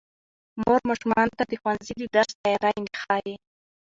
مور ماشومانو ته د ښوونځي د درس تیاری ښيي